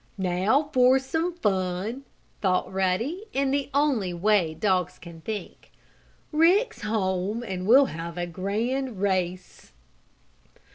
"Now for some fun!" thought Ruddy, in the only way dogs can think. "Rick's home and we'll have a grand race!"